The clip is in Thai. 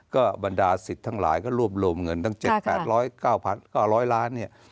ก็บรรดาศิษย์ทั้งหลายก็รวบรวมเงินตั้ง๗๘๐๐๙๙๐๐ล้านเนี่ย